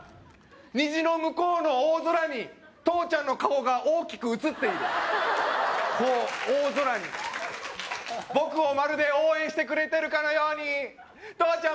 虹の向こうの大空に父ちゃんの顔が大きく映っているこう大空に僕をまるで応援してくれてるかのように父ちゃん